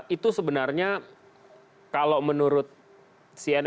itu sebenarnya kalau menurut saya apa apa